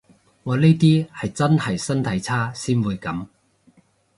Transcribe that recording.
我呢啲係真係身體差先會噉